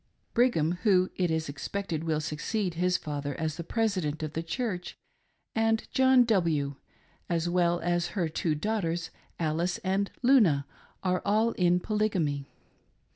Brigham — who it is expected will leucceed his father as President of the Churc}> — and John W., as well as her two daughters, Alice and Luna, are all in Polygamy.